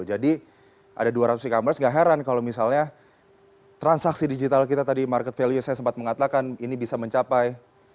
jadi ada dua ratus e commerce tidak heran kalau misalnya transaksi digital kita tadi market value saya sempat mengatakan ini bisa mencapai